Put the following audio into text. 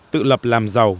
tự lập làm giàu